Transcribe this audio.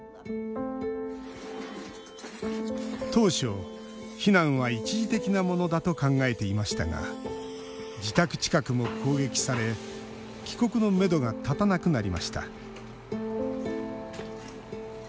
当初、避難は一時的なものだと考えていましたが自宅近くも攻撃され帰国のめどが立たなくなりました。